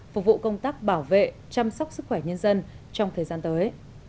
phục vụ công tác bảo vệ chăm sóc sức khỏe nhân dân trong thời gian tới